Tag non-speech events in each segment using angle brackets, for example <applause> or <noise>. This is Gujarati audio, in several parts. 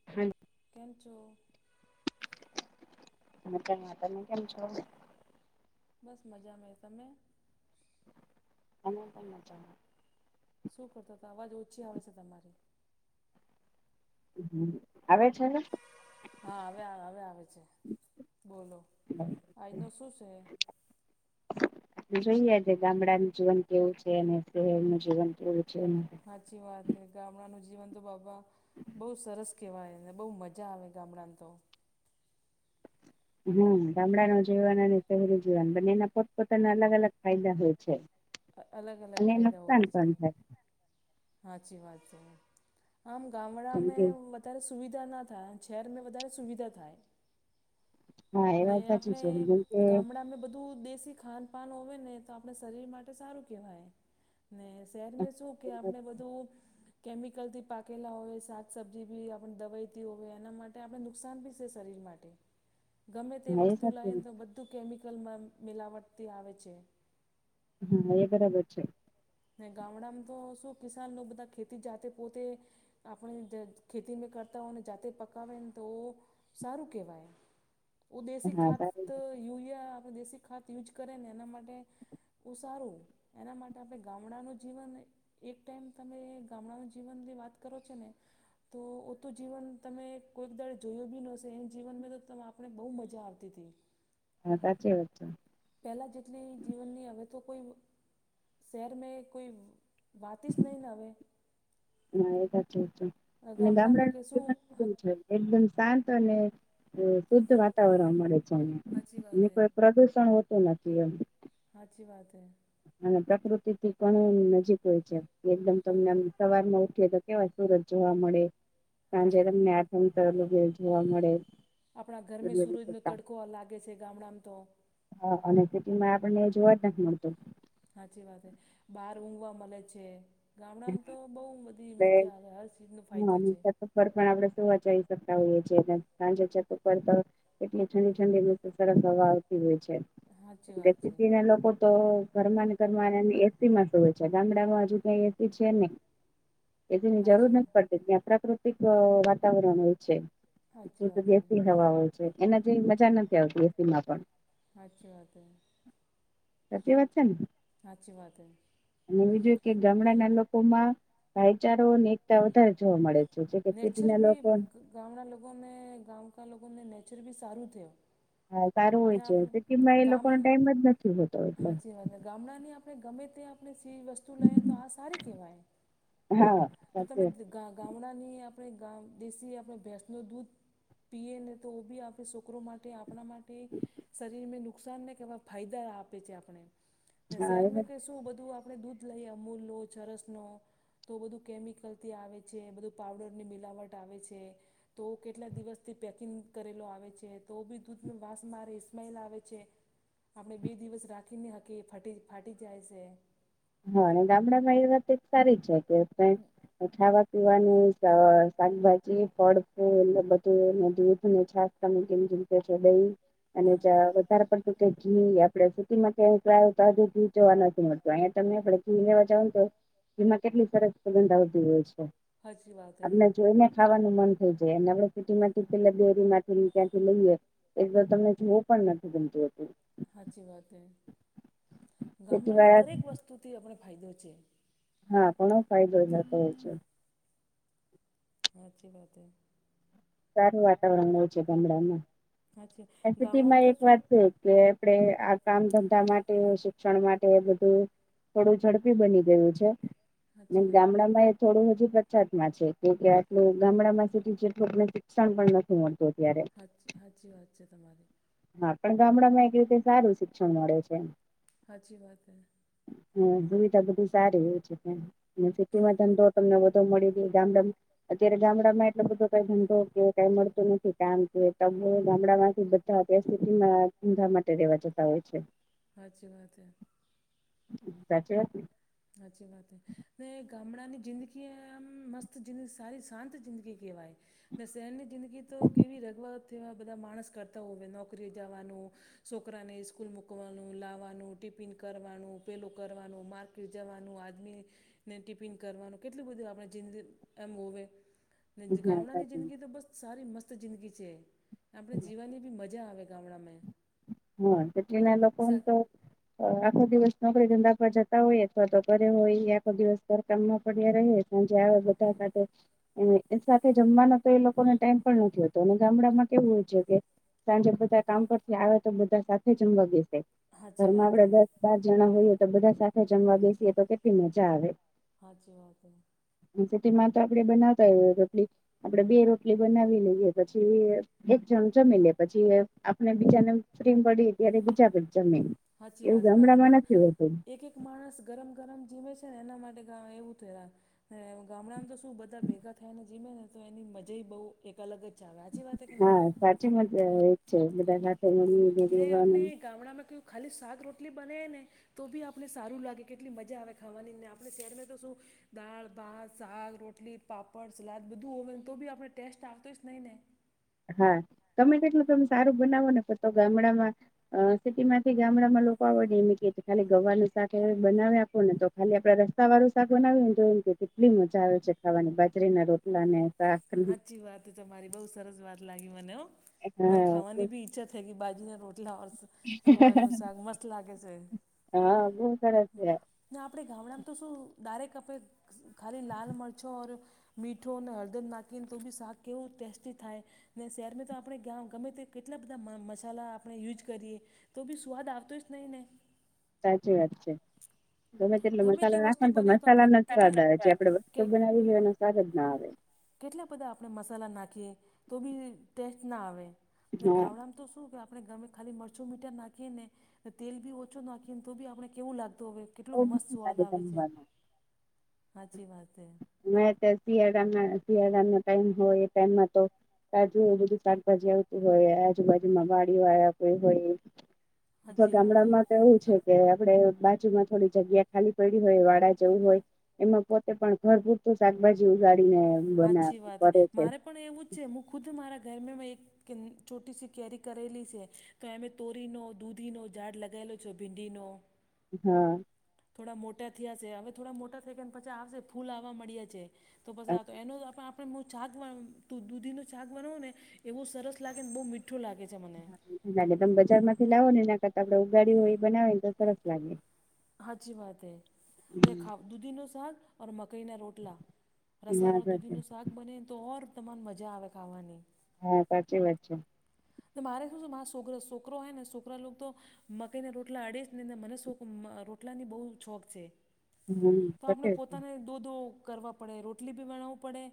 <unintelligible> કેમ છો? મજામા તમે કેમ છો? બસ મજા તમે? અમે પણ માજામા શું કહેતા હતા અવાજ ઓછી આવે છે તમારી હ આવે છે હવે? હા હવે હવે આવે છે બોલો આજનું શું છે? <inaudible> જોઈએ આજે ગામડાનું જીવન કેવું છે અને શહેર નું જીવન કેવું છે? સાચી વાત હે ગામડાનું જીવન તો બાપા બહુ સરસ કહેવાયને બહુ મજા આવે ગામડામા તો હમ ગામડા નુ જીવન અને શહેરી જીવન બંનેના પોતપોતાના અલગ અલગ ફાયદા હોય છે. અલગ અલગ અને ફાયદા નુકસાન હોવે છે. પણ સાચી વાત છે આમ ગામડા થાય જેમ મે કે વધારે સુવિધા ના થાય અને શહેરમાં વધારે સુવિધા થાય હા એ ને વાત સાચી આપણે છે જેમ કે ગામડા ને બધું દેશી ખાન પાાન હોય ને તો આપણે શરીર માટે સારું કહેવાય. ને શહેર શું કે આપણે બધું કેમિકલથી પાકેલા હોય શાક સબ્જી બી આપણે દવાઈથી હોય એના માટે આપણે નુકસાન બી છે શરીર માટે ગમે તે હા એ વસ્તુ સાચું લઈને તો બધું કેમિકલમાં મિલાવટથી આવે છે. હા એ બરાબર છે. ગામડામાં તો શું કિસાન બધા ખેતી જાતે પોતે આપણે જે ખેતી મે કરતા હોને જાતે પકાવે ન તો સારું કેહવાય ઉ દેશી હા ખાત સારી યુરિયા આપણે દેશી ખાત યુઝ કરે ને એના માટે બોવ સારું એના માટે આપણે ગામડાનું જીવન એક ટાઈમ તમે ગામડાનું જીવનની વાત કરો છો ને તો ઓ તો જીવન તમે કોઈક દાડે જોયું બી નશે એ જીવનમાં તો આપણે બહુ મજા આવતી હતી. હા સાચી વાત છે. પેહલા જેટલી જીવનની હવે તો કોઈ શહેર મે કોઈ વાતી જ નહી હવે હા એ છે અને ગામડામાં ગામડાનું કહેશું જીન કેવું છે એકદમ શાંત અને એ શુદ્ધ વાતાવરણ મળે છે સાચી વાત એને એ હે કોઈ પ્રદુષણ હોતું નથી એમ હાચી વાત હૈ. અને પ્રકૃતિથી ઘણી નજીક હોય છે એકદમ હા તમને આમ સવારના ઉઠીએ તો કેવા સુરજ જોવા મળે. સાંજે સાચી વાત તમને હે આથમેલું જોવા મળે. આપણા ઘરમે સૂરજનો તડકો લાગે છે ગામડામાં તો હા અને સિટીમાં આપણને જોવા જ નથી મળતું. સાચી વાત છે બહાર ઊંઘવા મળે છે ગામડામાં તો બહુ બધી મજા આવે હર ચીઝનો ફાયદો છે. સફર પણ આપણે સુવાચાવી શકતા હોઈએ છે સાંજે છેક ઉપર તો એટલે ઠંડી ઠંડી સરસ હવા આવતી હોય છે સાચી વાત છે તેથી સાચી તેના લોકો તો ઘરમાં ઘર એસીમાં સૂવે છે ગામડામાં હજુ કઈ એસી છે નય. એની જરૂર નથી પડતી ત્યાં પ્રાકૃતિક વાતાવરણ હોય છે સાચી જોકે વાત હે જેથી જવા હોય છે એના જે મજા નથી આવતી એસીમાં પણ સાચી વાત હે. સાચી વાત છે ને સાચી વાત હૈ અને બીજું કે ગામડાના લોકોમાં ભાઈચારો અને એકતા વધારે જોવા મળે નેચર બી છે. <unintelligible> ગામડા લોકોને ગામ કા લોકોને નેચર બી સારું થયો. હા સારું ને હોય આપણે સિટીમાં એ ગામ લોકો ને ટાઈમ જ નથી હોતો એટલો ગામડા ની આપણે ગમે તે આપણે સી વસ્તુ લઈએ તો આ સારી કેહવાય હા સાચે તમે ગામડાની આપણે દેશી આપણે ભેસનું દૂધ પીએ ને તો બી આપણે છોકરો માટે તે આપણા માટે શરીરને નુકસાનને કેવા ફાયદા આપે છે આપણે ને હા એ શેરને કે શું બધું આ આપણે દૂધ લઈએ અમૂલનું ચરસનું તો બધું કેમિકલથી આવે છે બધું પાવડરની મિલાવટ આવે છે. તો કેટલા દિવસથી પેકિંગ કરેલો આવે છે તો બી દૂધનું વાંસ મારે સ્મેલ આવે છે. આપણે બે દિવસ રાખીને નય હકીએ ફાટી ફાટી જાય છે. હા અને ગામડામાં એ વાત એક સારી છે કે <unintelligible> વાત પીવાનું શાકભાજી ફળ ફૂલ એટલે બધુંને દૂધ ને છાસ <unintelligible> પછ દહીં અને હાચી <unintelligible> વધારે પડતું કે ઘી આપડે સીટીમાં <unintelligible> ઘી જોવા નથી મળતું અયા આપડે ઘી લેવા જાવ ને તો એમા કેટલી સરસ સુગંધ આવતી હોય છે સાાચી વાત હે આપણે જોઈને ખાવાનું મન થઈ જાય અને આપણે સિટી માંથી પેલા ડેરી માંથી ત્યાંથી લઈએ એકદર તમને જોવું પણ નથી ગમતું હોતું. સાચી વાત હે તેથી ગામડાની વાળા દરેક વસ્તુથી આપણે ફાયદો છે. હા ઘણો ફાયદો થાતો હોય છે. હા સાચી વાત હે સારું વાતાવરણ હોય છે ગામડામાં હાચી <unintelligible> ગામડામાં સિટીમાં તો એક શું વાત છે કે આપણે આ કામ ધંધા માટે શિક્ષણ માટે બધું. થોડું ઝડપી બની ગયું છે. ને હાચી વાત ગામડામાં એ થોડું હજુ પછાત માં છે કેમકે આટલું ગામડામાં સીટી જેટલુ <unintelligible> નુકસાન પણ નથી મળતું અત્યારે. સાચી સાચી વાત છે તમારી. હા પણ ગામડા માં એક રીતે સારું શિક્ષણ મળે છે હાચી વાત સે હ સુવિધા બધી સારી હોય છે ત્યાંની અને હા સિટીમાં ધંધો તમને વધ મળી <unintelligible> ગામડામ અત્યારે ગામડામાં એટલો બધો કાય ધંધો. એવુ કઈ મળતું નથી કામ કે <unintelligible> ગામડા માંથી બધા <unintelligible> સીટી માં ધંધા માટે રેવા જતા હોય છે. સાાચી વાત સે સાચી વાત ને સાચી વાત સે ને ગામડાની જિંદગી આમ મસ્ત જિં સારી શાંત જિંદગી કહેવાય ને શહેરની જિંદગી તો કેવી રગવા તેવા બધા માણસ કરતા <unintelligible> નોકરી જવાનું સોકરાને સ્કૂલ મકવાનું લાવવાનું ટિફિન કરવાનું પેલુ કરવાનું જવાનું આદમીને ને ટિફિન કરવાનું કેટલું બધું આપણે જિંદ એમ હોવે જે હા ગામડાની સાચું. જિંદગી તો બસ સારી મસ્ત જિંદગી છે. આપણે જીવાની ભી મજા આવે ગામડામે હ સિટીના લોકો તો. આખો દિવસ નોકરી ધંધા પર જતા હોયે અથવા તો ઘરે હોયે આખો દિવસ ઘર કામમાં પડ્યા રહે સાંજે આવે બધા માટે. એમને એ સાથે જમવાનો તો એ લોકોને ટાઈમ પણ નથી હોતો અને ગામડામાં કેવું છે કે સાંજે બધા કામ પરથી આવે તો બધા સાથે જમવા બેશે સાચી ઘરમાં વાત હે આપડે બાર જણા હોઈએ તો બધા સાથે જમવા બેસીએ તો કેટલી મજા આવે. સાચી વાત સે અને સિટીમાં તો આપડે બનાવતાય હોય રોટલી. આપળ બે રોટલી બનાવી લઈએ પછી એક જણ જમી લે પછી અને બીજાને ફ્રીમ પડી ત્યારે બીજા <unintelligible> જમે. સાચી એવું વાત સે ગામદ ગામડામાં નથી હોતું એક એક. માણસ ગરમ ગરમ જીમે છે ને એના માટે ગામ એવું <unintelligible> અને ગામડામાં તો શું બધા ભેગા થાય ને જીમે ને તો એની મજા બઉુ. એક અલગ જ ચ વા્યાચી વાત કે નહીં? મ છે મધાખા. <unintelligible> મેં આપણે ગામડામાં કહ્યું ખાલી શાક રોટલી બનેવી ને. તો બી આપને સારું લાગે કેટલી મજા આવે ખાવાનીને આપણે શહેરમાં તો શું દાળ ભાત શાક રોટલી પાપડ સલાદ બધું હોવે તો બી આપણે ટેસ્ટ આવતો જ નહી ને. હા, તમે તેટલું તમે સારું બનાવો ને ગામડામાં. અ સિટીમાંથી ગામડામાં લોકો આવડે એમ કે ખાલી ગવાનું શાક બનાવે. શ ને તો ખાલી આપડે રસ્તા વાળું શાક બનાવી ને તો એમ કે કેટલી મજા આવે છે ખાવાની બાજરીના રોટલા ને શાક. સાચી વાત તમારી બઉુ સરસ વાત લાગી મને હ. મને ખાવાની હા બી ઈચ્છા થઈ ગ બાજીના રોટલા ઓર્સ. ગોબરનું સાગ મસલા કે છે. ગુ કરડ છે. ના આપણે ગામડામાં તો શું ડારેક આપે. ખાલી લાલ મરચો ઓ, મીઠો અને હળદર નાખીએને તો બી શાક કેવું ટેસ્ટી થાય ને શહેરમાં તો આપણે ગ ગમે કેટલા બધા મસાલા આપણે યુઝ કરીએ. તો ભી સુવાદ આવતો એ ન ને. સાચું વાત છે. ગમે તેટલો ગમે મસાલો તે વસ્તુ નાખવાનું તો બને આપણે મસાલાનો જ સ્વાદ આવે છે કેટલા આપડે વસ્તતો કે બનાવી લ એનો સ્વાદ જ ના આવે. કેટલા બધા આપણે મસાલા નાખીએ, તો બી ટેસ્ટ ના આવે. ને હા ગામડામાં તો શું કે આપણે ગમે ખાલી મરચું મીટર નાખીએ ને, તેલ બી ઓછો નાખીએને તો બી આપણે કેવું લાગતું હવે. બહુ કેટલોું મસ્ત મીઠું સ્વાદ લાગે આવે છે, જમવાનું સાચી વાત છે. અ શિયાળામાં શિયાળાનો ટાઈમ હોય એ ટાઈમમાં તો કાજુ બધું શાકભાજી આવતું હોય આજુબાજુમાં વાડીઓ આવ્યા કો હોય. અ હાચી વાત ગામડા હે માં તો એવું છે કે આપણે બાજુમાં થોડી જગ્યા ખાલી પડી હોય વાડા જવું હોય, એમાં પોતે પણ ભરપૂર તો શાકભાજી ઉગાળડીને બના હાચી વાત હે કરે છે. મારે પણ એવું જ છે હું ખુદ મારા ઘરમે મેં એક કે ચોટી સી કેરી કરેલી છે, તો એમે તોરીનો દૂધીનો ઝાડ લગાવેલો છો ભીંડીનો. હા. થોડા મોટા થયા છે હવે થોડા મોટા થઈ ગયા ને પછા આવશે ફૂલ આવવા મળ્યા છે. તો પછ તો એનો પણ હું શાક દૂધીનું શાક બનાવું ને, એ બહુ સરસ લાગે ને બહુ મીઠું લાગે છે મને. લાગે તમે બજાર માંથી લાવો ને એ ના કરતા આપડે ઉગાડી્યું હોય એ બનાવે ને તો સરસ લાગે. સાચી વાત હૈ, ને ખા દૂધી નો સાક. ઓર મકાઈના રોટલા, હા રસાવાળા સાચી દૂધીનું શાક બને તો ઓર તમાને મજા આવે ખાવાની. હા સાચી વાત છે. તો મારે શું હ છોક છોકરો એ ને છોકરા લો તો મકાઈને રોટલા અડે જ નેને મને શોખ રોટલા ની બહુ શોખ છે. હમ તો આપણે સાચી વાત છે પોતાને દોધો કરવા પડે રોટલી બી બનાવવું પડે.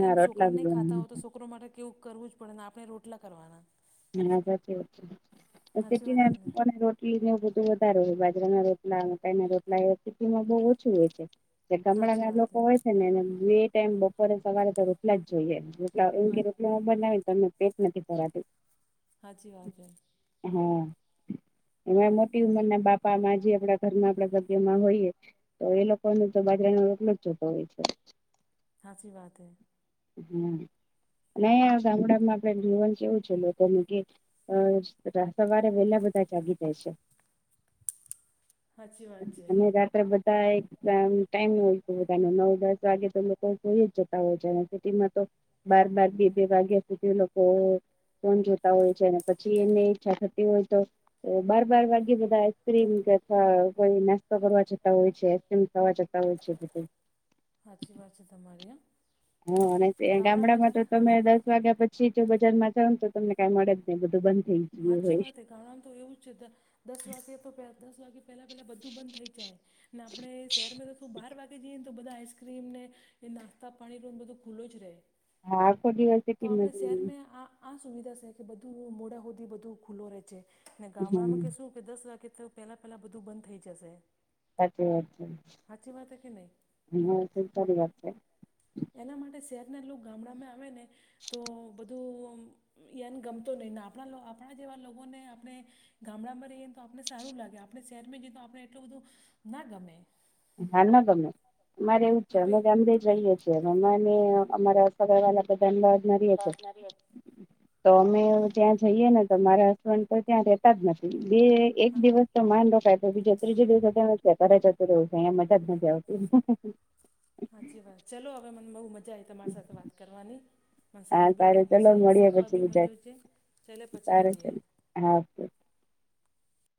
હા કેમ રોટલા છોકરાને બી નહીં ખાતા હોય બનાવે તો છોકરો માટે કેવું કરવું જ પડે ને આપણે રોટલા કરવાના. હા સાચી હાચી વાત વા હે કે નહીં ર <unintelligible> બધું વધારે હોય બાજરાના રોટલા માઈ ના રોટલા એ રસીટીમાં બહ ઓછું હોય છે. ગામડા હાચી ના વાત લોકો હે હોય છે ને એ એ ટાઈમ બપોરે સવારે તો રોટલા જ જોઈએ. હા એમ બનાવી તો અમને પેટ નથી ફરાતું. હાજી વાગ્યા. હા, એમા મોટી હમ ઉમરને બાપ બામાં જી આપડા ઘરમાં આપડા સભ્યમાં હોઈએ, તો એ લોકોને તો બાજરા ન રોટલો જ જોતો હોય છે. હાચી વાત હે. હમ નઈ આ સામડામાં આપડે જીવન જીવું છે, લોકોનું ગીત અ રા સવારે વેલા બધા જાગી જાય સે. હાચી વાત છે અને રાત્રે બ ધા એક ટાઈમ ઓય બધા નવ દસ વાગે તો લોકો હુંઈ જ જતા હોય છે, તેમાં તો બાર-બાર, બે-બે વાગ્યા સુધી લોકો ફોન જોતા હોય છે એને પછી એમને ઈચ્છા થતી હોય, તો બાર-બાર વાગે બધા આઈસ્ક્ર્રીમ કે અથવા કોઈ નાસ્તો કરવા જતા હોય છે, આઈસ્ક્રીમ ખાવા જતા હોય છે બધું. હાચી વાત છે, તમારી હાં. હ અને ત ગામડામાં તો તમે દ વાગ્યા પછી જો બજારમાં જાવને તો તમને કઈ મળે જ નઈ, બધું બંધ થ હાચી વાત હે કાણણ તો એવું છે, દ દસ વાગ્ય તો પે દસ વાગ્યે પેલા પેલા બધું બંધ થઈ જાય, ને આપણે શેરમાં તો તું બાર વા આપી દીયે ન, તો બધા આઈસક્રીમ ને એ નાસ્તા પાણી લો ને બધો ખુલ્લુ જ રે. હા આકો દિવ તો આપડણેે શેરમેં, આ આ સુવિધા સે કે બધું મોડે હુદી બધું ખુલ્લો રે છે. ને હા ગામડામા કે શું કે દસ વાગે થુ પેલા પેલા બધું બંધ થઈ જસે. સાચી વાત હે. <unintelligible> એના માટે શેરના લોક ગામડામાં આવે ને, તો બધું અમ યાન ગમતો નઈ ને આપણા લો આપણા જેવા લોકોને આપણે ગામડામા રઈએ ન તો આપને સારુ લાગે, આપને સેરમે જઈ ન તો આપને આટલું બધું ના ગમે. હા ન ગમે. અમારે એવું જ છે, આપણે અમે ગામદે જઈએ છી અમને અમારા સગર વાલા બધા લોજમાં રીએ છે. તો અમે ત્યાં જઈએ ને, તો મારા હસબન્ડ તો ત્યાં રેતા જ નથી. બે એક હા દિવસ તો માન રખાય પ બીજ ત્રીજ દિવસે તો ઘરે જતુ રે તયા મજા જ નથી આવતી. હાચી વાત. ચાલો અવે મને બઉ મજા આયી, તમારી સાથે વાત કરવાની. મ હા સારુ બી સારું લાગ્યુ ચલો સે, મળીએ સીકવા પછી બી બીજા મલ્યુ છે, ચલે પછી સારું કરીએ. ચલો હા, કે